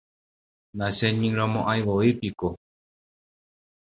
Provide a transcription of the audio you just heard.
nacheñyrõmo'ãivoi piko